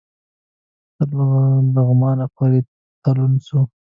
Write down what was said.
تر لغمانه پوري تلون سو